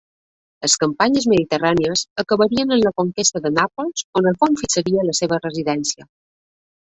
Les campanyes mediterrànies acabarien amb la conquesta de Nàpols, on Alfons fixaria la seva residència.